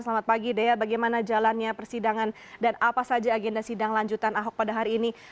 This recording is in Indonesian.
selamat pagi dea bagaimana jalannya persidangan dan apa saja agenda sidang lanjutan ahok pada hari ini